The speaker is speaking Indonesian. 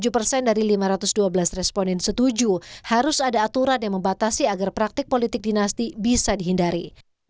tujuh persen dari lima ratus dua belas responden setuju harus ada aturan yang membatasi agar praktik politik dinasti bisa dihindari